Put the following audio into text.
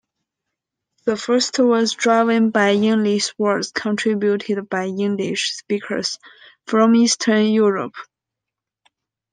The first was driven by Yinglish words contributed by Yiddish speakers from Eastern Europe.